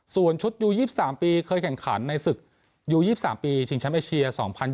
ส่วนชุดยู๒๓ปีเคยแข่งขันในศึกยู๒๓ปีชิงแชมป์เอเชีย๒๐๒๐